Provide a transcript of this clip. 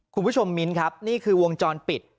คุณผู้ชมมิ้นครับนี่คือวงจรปิด